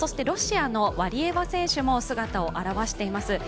ロシアのワリエワ選手も姿を現しています。